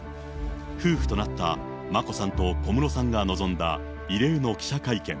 夫婦となった眞子さんと小室さんが臨んだ異例の記者会見。